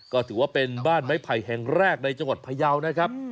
ก็ถือว่าเป็นบ้านไม้ไผ่แห่งแรกในจังหวัดพยาวนะครับ